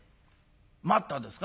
「『待った』ですか？」。